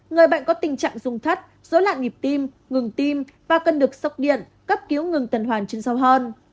người bệnh có tình trạng dung thất dối lạn nghiệp tim ngừng tim và cân được sốc điện cấp cứu ngừng tấn hoàn trên sau hơn